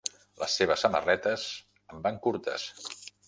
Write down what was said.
Les seves samarretes em van curtes.